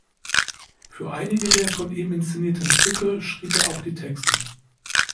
Für einige der von ihm inszenierten Stücke schrieb er auch die Texte.